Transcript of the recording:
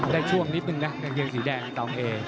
ช่วงนิดนึงนะกางเกงสีแดงตองเอ